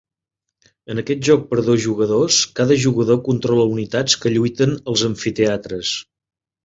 En aquest joc per dos jugadors, cada jugador controla unitats que lluiten als amfiteatres.